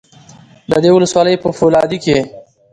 د دې ولسوالۍ په فولادي کې